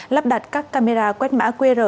lắp đặt các camera quét mã qr